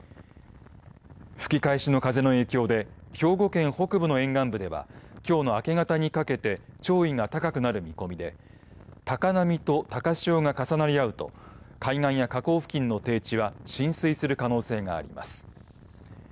吹き返しの風の影響で兵庫県北部の沿岸部ではきょうの明け方にかけて潮位が高くなる見込みで高波と高潮が重なり合うと海岸や河口付近の低地は浸水する可能性があります。